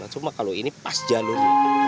cuma kalau ini pas jalur